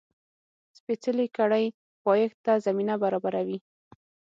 سپېڅلې کړۍ پایښت ته زمینه برابروي.